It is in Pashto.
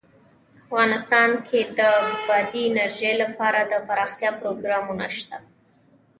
افغانستان کې د بادي انرژي لپاره دپرمختیا پروګرامونه شته.